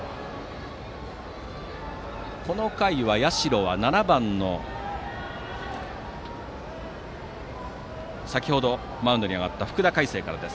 この回は、社は７番の先程マウンドに上がった福田海晴からです。